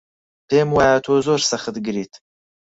پێم وایە تۆ زۆر سەختگریت.